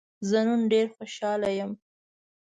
زه نن ډېر خوشحاله يم.